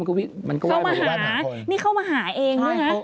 เขามาหานี่เขามาหาเองนะครับ